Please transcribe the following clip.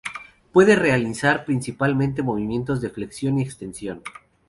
Puede realizar principalmente movimientos de flexión y extensión.